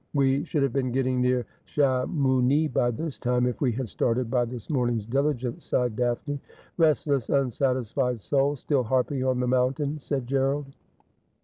' We should have been getting near Chamounix by this time, if we had started by this morning's diligence,' sighed Daphne. ' Restless, unsatisfied soul ! still harping on the mountain,' said Gerald.